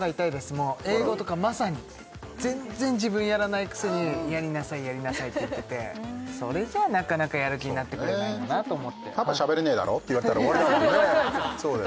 もう英語とかまさに全然自分やらないくせにやりなさいやりなさいって言っててそれじゃなかなかやる気になってくれないよなと思ってパパしゃべれねえだろって言われたら終わりだもんね